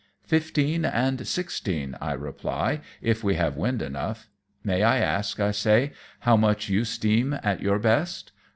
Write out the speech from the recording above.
Fifteen and sixteen," I reply, " if we have wind enough. May I ask," I say, " how much you steam at your best ?